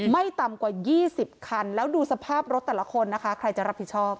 ไม่ต่ำกว่า๒๐คันแล้วดูสภาพรถแต่ละคนนะคะใครจะรับผิดชอบ